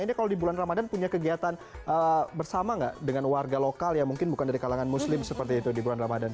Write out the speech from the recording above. ini kalau di bulan ramadan punya kegiatan bersama nggak dengan warga lokal yang mungkin bukan dari kalangan muslim seperti itu di bulan ramadan